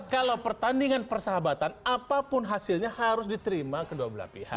kalau pertandingan persahabatan apapun hasilnya harus diterima kedua belah pihak